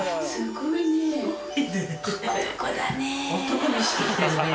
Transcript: すごいね。